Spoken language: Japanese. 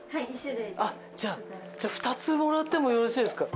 あっじゃあ２つもらってもよろしいですか？